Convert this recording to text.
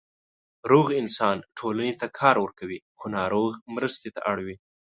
روغ انسان ټولنې ته کار ورکوي، خو ناروغ مرستې ته اړ وي.